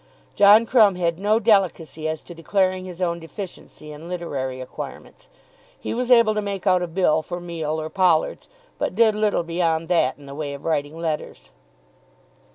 John Crumb had no delicacy as to declaring his own deficiency in literary acquirements. He was able to make out a bill for meal or pollards, but did little beyond that in the way of writing letters.